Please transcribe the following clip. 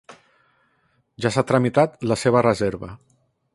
Ja s'ha tramitat la seva reserva.